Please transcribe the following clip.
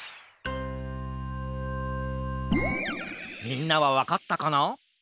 みんなはわかったかな？